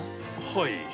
はい。